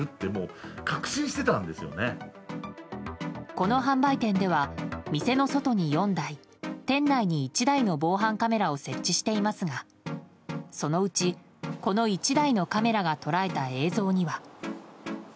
この販売店では店の外に４台、店内に１台の防犯カメラを設置していますがそのうち、この１台のカメラが捉えた映像には。